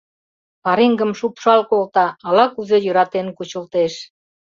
Пареҥгым шупшал колта, ала-кузе йӧратен кучылтеш.